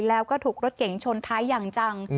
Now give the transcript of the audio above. แล้วก็ถูกรถเก๋งชนท้ายอย่างจัง